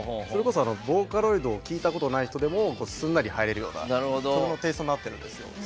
それこそボーカロイドを聴いたことない人でもすんなり入れるような曲のテイストになっているんですよ。